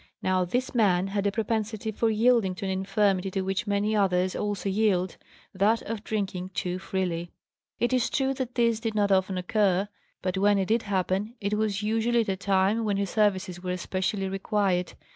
Now, this man had a propensity for yielding to an infirmity to which many others also yield that of drinking too freely. It is true that this did not often occur; but when it did happen, it was usually at a time when his services were especially required.